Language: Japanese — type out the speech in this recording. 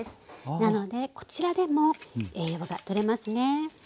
なのでこちらでも栄養が取れますね。